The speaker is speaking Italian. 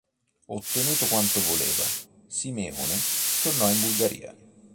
Ottenuto quanto voleva, Simeone tornò in Bulgaria.